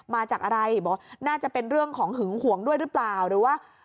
มาจากอะไรบอกน่าจะเป็นเรื่องของหึงห่วงด้วยหรือเปล่าหรือว่า